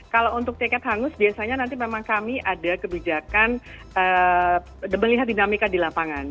kalau untuk tiket hangus biasanya nanti memang kami ada kebijakan melihat dinamika di lapangan